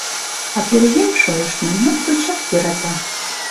А пӧръеҥ шойыштмым моткочак йӧрата.